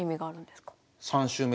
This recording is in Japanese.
３週目。